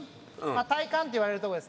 まあ体幹って言われる所ですね。